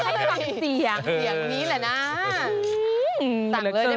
สั่งเลยใช่ไหม